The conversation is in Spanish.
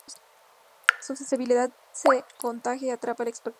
Su sensibilidad se contagia y atrapa al espectador.